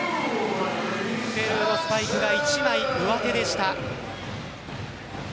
ペルーのスパイクが一枚上手でした。